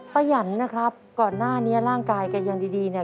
ป๊ายัญนะครับก่อนหน้านี้ร่างกายแก